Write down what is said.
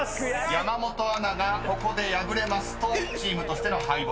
［山本アナがここで敗れますとチームとしての敗北。